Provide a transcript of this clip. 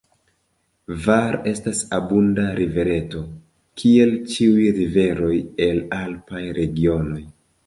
Var estas abunda rivereto, kiel ĉiuj riveroj el alpaj regionoj.